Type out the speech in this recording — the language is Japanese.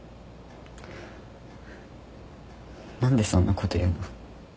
何でそんなこと言うの？